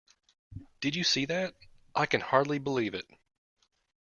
Did you see that? I can hardly believe it!